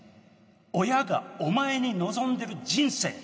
親がお前に望んでる人生